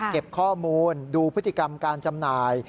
เก็บข้อมูลดูพฤติกรรมการจำหน่าย